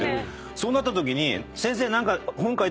そうなったときに先生。